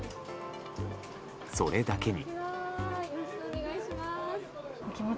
それだけに。